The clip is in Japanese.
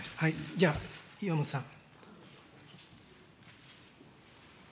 じゃあ、岩本さん。